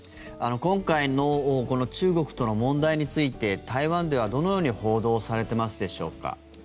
今回の中国との問題について台湾では、どのように報道されていますでしょうか。